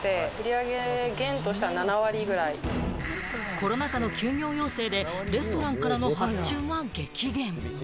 コロナ禍の休業要請でレストランからの発注が激減。